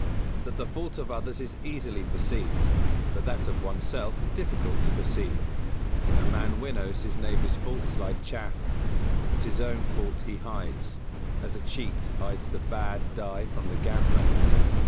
That the fault of others is easily perceived, but that of oneself difficult to perceive; a man winnows his neighbour's faults like chaff, but his own fault he hides, as a cheat hides the bad die from the gambler.